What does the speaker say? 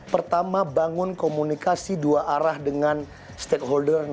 pertama bangun komunikasi dua arah dengan stakeholder